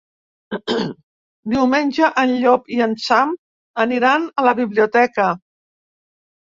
Diumenge en Llop i en Sam aniran a la biblioteca.